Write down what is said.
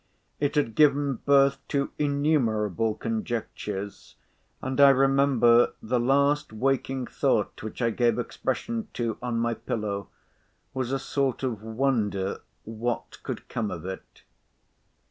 It had given birth to innumerable conjectures; and, I remember, the last waking thought, which I gave expression to on my pillow, was a sort of wonder, "what could come of it."